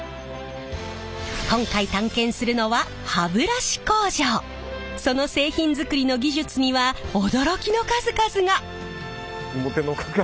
今回探検するのはその製品づくりの技術には驚きの数々が！